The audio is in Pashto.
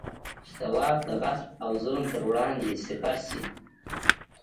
چې د واک د غصب او ظلم پر وړاندې سپر شي.